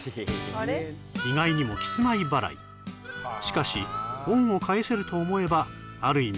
意外にもキスマイ払いしかし恩を返せると思えばある意味